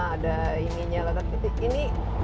ada ininya tapi ini